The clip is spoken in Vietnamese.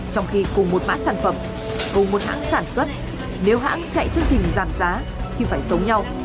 trong khi cùng một mã sản phẩm cùng một hãng sản xuất nếu hãng chạy chương trình giảm giá thì phải giống nhau